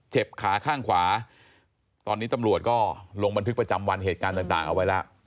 ขาข้างขวาตอนนี้ตำรวจก็ลงบันทึกประจำวันเหตุการณ์ต่างเอาไว้แล้ว